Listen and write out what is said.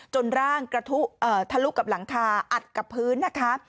จนร่างกระทะลุกับหลังคาอัดกับพื้นนะคะ